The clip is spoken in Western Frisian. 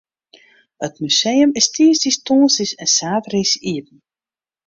It museum is tiisdeis, tongersdeis en saterdeis iepen.